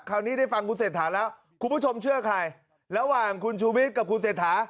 คราวนี้ได้ฟังคุณเศรษฐาแล้วคุณผู้ชมเชื่อใครระหว่างคุณชูวิทย์กับคุณเศรษฐา